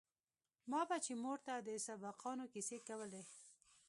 ما به چې مور ته د سبقانو کيسې کولې.